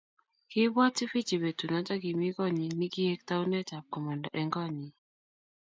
Kiibwat Sifichi betunoto kimi konyi nekiek taunetab komanda eng konyi